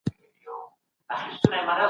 مځکه د ټولو انسانانو شریک کور دی.